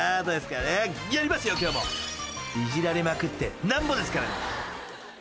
［いじられまくってなんぼですからね］